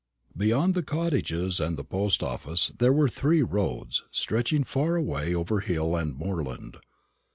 Beyond the cottages and the post office there were three roads stretching far away over hill and moorland.